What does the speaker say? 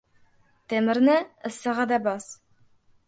• Temirni issig‘ida bos.